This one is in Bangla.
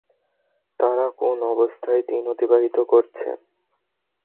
তারা কোন অবস্থায় দিন অতিবাহিত করছে?